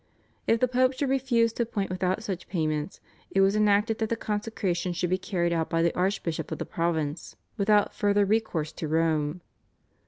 If the Pope should refuse to appoint without such payments, it was enacted that the consecration should be carried out by the archbishop of the province without further recourse to Rome.